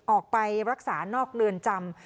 ออกไปรักษานอกเรือนจำ